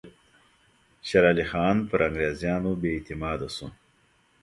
شېر علي خان پر انګریزانو بې اعتماده شو.